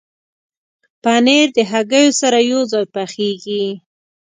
پنېر د هګیو سره یوځای پخېږي.